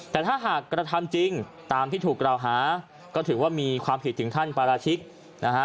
แต่ถ้าหากกระทำจริงตามที่ถูกกล่าวหาก็ถือว่ามีความผิดถึงขั้นปราชิกนะฮะ